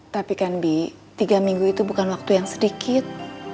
tapi kan bi tiga minggu itu bukan waktu yang sedikit